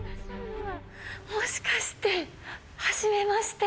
もしかして、はじめまして。